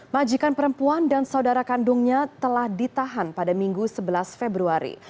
majikan perempuan dan saudara kandungnya telah ditahan pada minggu sebelas februari